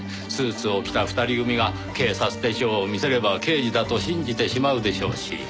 スーツを着た二人組が警察手帳を見せれば刑事だと信じてしまうでしょうし。